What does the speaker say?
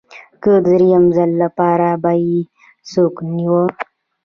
که د درېیم ځل لپاره به یې څوک نیوه